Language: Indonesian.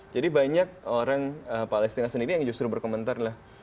jadi banyak orang palestina sendiri yang justru berkomentar